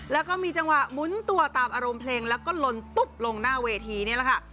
แล้วก็มีจังหวะหมุนตัวตามอารมณ์เพลงแล้วก็ลนตุ๊บลงหน้าเวทีนี่แหละค่ะ